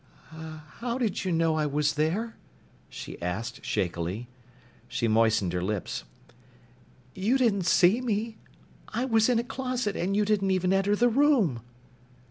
"H how did you know I was there?" she asked shakily. She moistened her lips. "You didn't see me! I was in a closet, and you didn't even enter the room!"